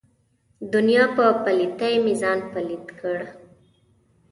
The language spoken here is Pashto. دنیا په پلیتۍ مې ځان پلیت کړ.